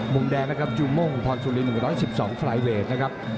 มุมแดงนะครับจูม่งพรสุริน๑๑๒ไฟล์เวทนะครับ